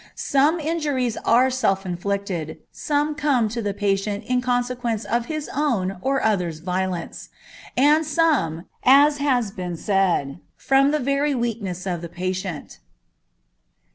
Some injuries are self inflicted, some come to the patient in consequence of his own or others' violence, and some, as has been said, from the very weakness of the patient.